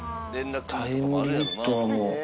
タイムリミットがもう。